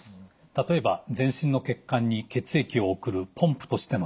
例えば全身の血管に血液を送るポンプとしての心臓。